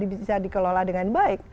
bisa dikelola dengan baik